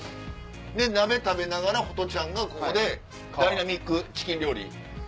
で鍋食べながらホトちゃんがここでダイナミックチキン料理。